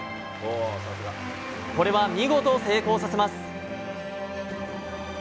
これは見事、成功させます。